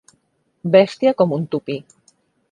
Bèstia com un tupí.